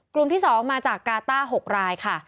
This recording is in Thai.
กลุ่มที่๒มาจากกาต้า๖รายค่ะ